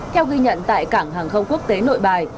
theo ghi nhận tại cảng hàng không quốc tế nội bài